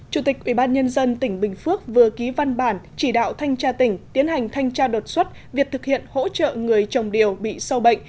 chủ tịch ubnd tỉnh bình phước vừa ký văn bản chỉ đạo thanh tra tỉnh tiến hành thanh tra đột xuất việc thực hiện hỗ trợ người trồng điều bị sâu bệnh